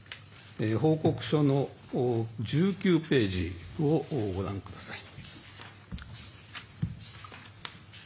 報告書の１９ページをご覧ください。